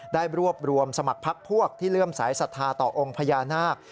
ได้รวบรวมสมัครพักพวกที่เลื่อมสายศรัทธาต่อองค์พญานาค